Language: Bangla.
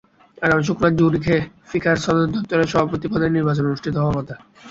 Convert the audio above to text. আগামী শুক্রবার জুরিখে ফিফার সদর দপ্তরে সভাপতি পদে নির্বাচন অনুষ্ঠিত হওয়ার কথা।